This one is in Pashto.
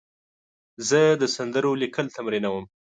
زه د سندرو لیکل تمرینوم.